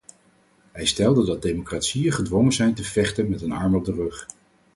Hij stelde dat democratieën gedwongen zijn te vechten met een arm op de rug.